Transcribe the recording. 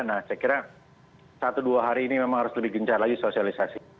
nah saya kira satu dua hari ini memang harus lebih gencar lagi sosialisasi